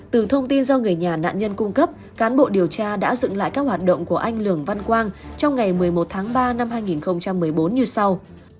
từ thông tin do người nhà nạn nhân cung cấp cán bộ điều tra đã dựng lại các hoạt động của anh lường văn quang trong ngày một mươi một tháng ba năm hai nghìn một mươi bốn như sau